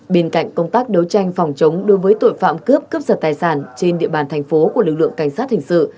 bên cạnh công tác đấu tranh phòng chống đối với tội phạm cướp cướp giật tài sản trên địa bàn thành phố của lực lượng cảnh sát hình sự